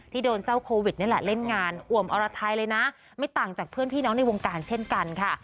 โดนเจ้าโควิดนี่แหละเล่นงานอ่วมอรไทยเลยนะไม่ต่างจากเพื่อนพี่น้องในวงการเช่นกันค่ะ